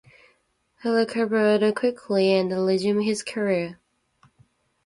He recovered quickly and resumed his career.